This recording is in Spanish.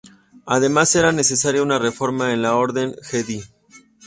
Además era necesaria una Reforma en la Orden Jedi.